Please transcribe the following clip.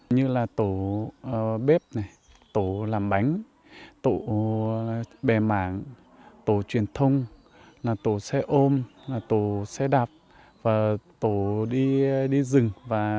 như là tổ bếp tổ làm bánh tổ bè mảng tổ truyền thông tổ xe ôm tổ xe đạp tổ đi rừng